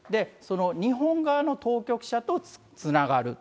日本側の当局者とつながると。